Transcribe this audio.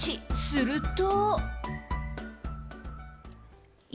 すると。